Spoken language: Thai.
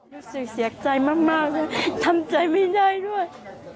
รู้สึกเสียใจมากเลยทำใจไม่ได้ด้วย